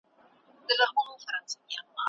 بدن کله ناکله ځان له ګواښ سره مخ احساسوي.